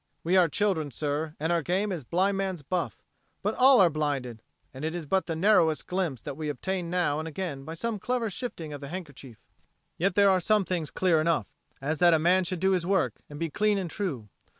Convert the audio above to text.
We are children, sir, and our game is blind man's buff; but all are blinded, and it is but the narrowest glimpse that we obtain now and again by some clever shifting of the handkerchief. Yet there are some things clear enough; as that a man should do his work, and be clean and true.